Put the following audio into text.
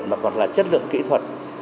mà còn là chất lượng kỹ thuật